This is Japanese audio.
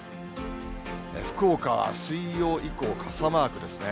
福岡は水曜以降、傘マークですね。